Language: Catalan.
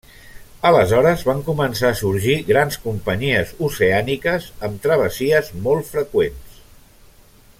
Aleshores van començar a sorgir grans companyies oceàniques amb travessies molt freqüents.